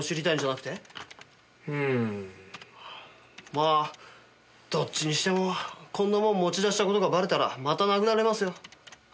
まあどっちにしてもこんなもん持ち出した事がばれたらまた殴られますよ。